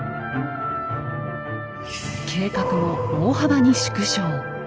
計画も大幅に縮小。